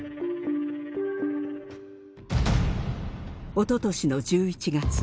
おととしの１１月。